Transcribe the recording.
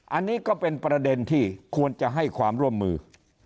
อันนี้ก็เป็นประเด็นที่ควรจะให้ความร่วมมือ